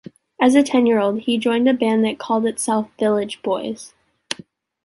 As a ten-year-old, he joined a band that called itself “Village Boys”.